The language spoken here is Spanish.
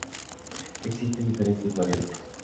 Existen diferentes variantes.